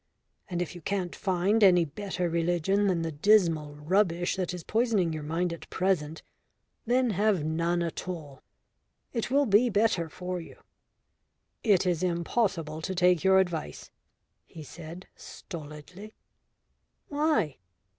And if you can't find any better religion than the dismal rubbish that is poisoning your mind at present, then have none at all. It will be better for you." "It is impossible to take your advice," he said stolidly. "Why?"